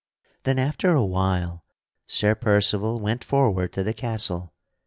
Then after a while Sir Percival went forward to the castle.